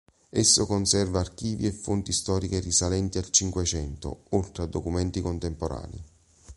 Esso conserva archivi e fonti storiche risalenti al Cinquecento, oltre a documenti contemporanei.